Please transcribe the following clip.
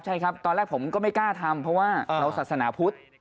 ใช่ครับตอนแรกผมก็ไม่กล้าทำเพราะว่าเราศาสนาพุทธ